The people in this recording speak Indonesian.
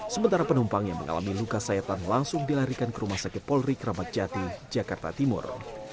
sementara penumpang yang mengalami luka sayatan langsung dilarikan ke rumah sakit polri kramat jati jakarta timur